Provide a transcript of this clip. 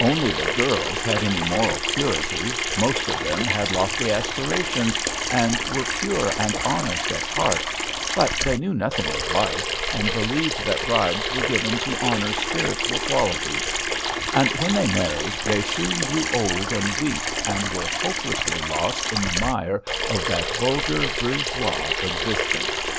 Only the girls had any moral purity; most of them had lofty aspirations and were pure and honest at heart; but they knew nothing of life, and believed that bribes were given to honour spiritual qualities; and when they married, they soon grew old and weak, and were hopelessly lost in the mire of that vulgar, bourgeois existence.